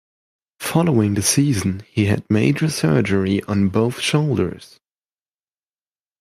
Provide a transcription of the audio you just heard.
Following the season, he had major surgery on both shoulders.